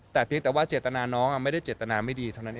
แต่เพียงแต่ว่าเจตนาน้องไม่ได้เจตนาไม่ดีเท่านั้นเอง